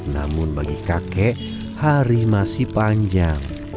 namun bagi kakek hari masih panjang